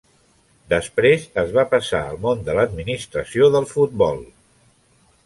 Després es va passar al món de l'administració del futbol.